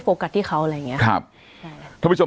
สวัสดีครับทุกผู้ชม